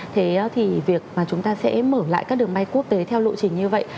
thế thì việc mà chúng ta sẽ mở lại các đường bay quốc tế theo lộ trình như vậy